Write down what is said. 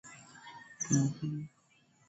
Utunukizi wa Alama katika mchezo wa soka